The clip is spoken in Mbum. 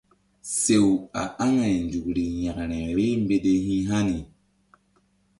Sew a aŋay nzukri yȩkre vbeh mbete hi̧ hani.